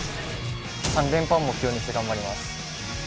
３連覇を目標にして頑張ります。